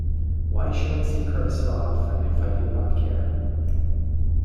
Why should I seek her so often if I did not care?